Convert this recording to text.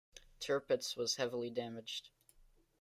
"Tirpitz" was heavily damaged.